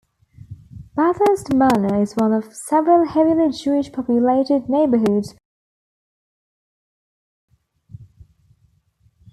Bathurst Manor is one of several heavily Jewish-populated neighbourhoods on Bathurst Street.